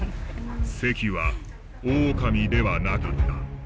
関はオオカミではなかった。